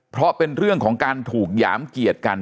เพราะเป็นเรื่องของการถูกหยามเกียรติกัน